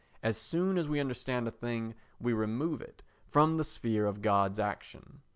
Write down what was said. As soon as we understand a thing we remove it from the sphere of God's action.